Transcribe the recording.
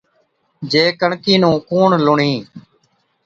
جي ڪڻڪِي نُون ڪُوڻ لُڻهِي؟